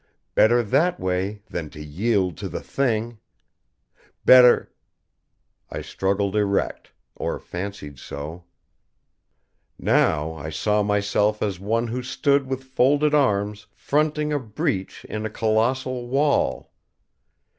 Better that way than to yield to the Thing! Better I struggled erect; or fancied so. Now I saw myself as one who stood with folded arms fronting a breach in a colossal wall.